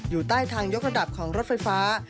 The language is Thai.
อยู่ใต้ทางยกระดับของรถไฟฟ้า